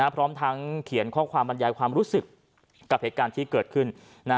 พร้อมทั้งเขียนข้อความบรรยายความรู้สึกกับเหตุการณ์ที่เกิดขึ้น